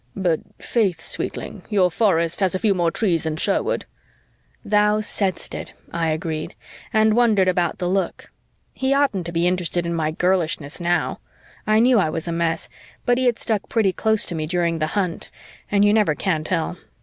"But 'faith, sweetling, your forest has a few more trees than Sherwood." "Thou saidst it," I agreed, and wondered about the look. He oughtn't to be interested in my girlishness now. I knew I was a mess, but he had stuck pretty close to me during the hunt and you never can tell.